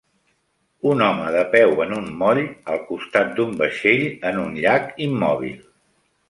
Un home de peu en un moll al costat d'un vaixell en un llac immòbil